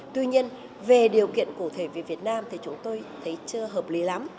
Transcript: tuy nhiên về điều kiện cụ thể về việt nam thì chúng tôi thấy chưa hợp lý lắm